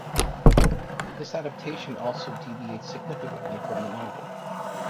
This adaptation also deviates significantly from the novel.